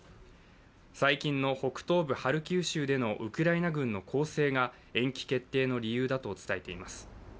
最近の北東部ハルキウ州でのウクライナ軍の攻勢が延期決定の理由だと伝えています。